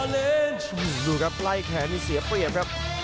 ดูครับไล่แขนนี่เสียเปรียบครับ